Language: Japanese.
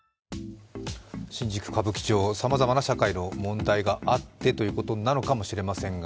新宿・歌舞伎町さまざまな社会の問題があってということなのかもしれませんが、